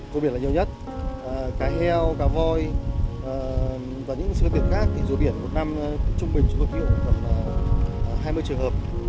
rùa biển là nhiều nhất cá heo cá voi và những sự kiện khác thì rùa biển một năm trung bình chúng tôi cứu gặp hai mươi trường hợp